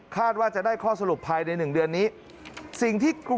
คาดว่าจะได้ข้อสรุปภายใน๑เดือนนี้